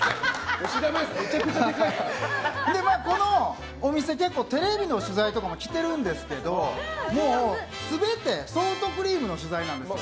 このお店、結構テレビの取材とか来てるんですけどもう、全てソフトクリームの取材なんです。